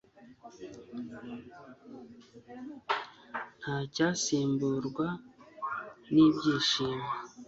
nta cyasimburwa n'ibyishimo